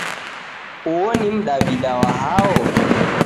Uo ni Mdaw'ida wa hao?.